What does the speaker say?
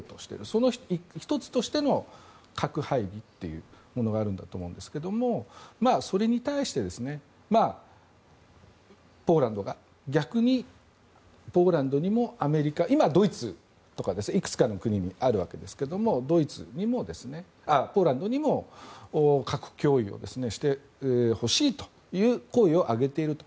その１つとしての核配備というものがあるんだと思うんですけれどもそれに対してポーランドが逆にポーランドにも今、ドイツとかいくつかの国があるわけですがポーランドにも核共有をしてほしいという声を上げていると。